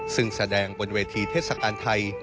ซึ่งแสดงบนเวทีเทศกาลไทย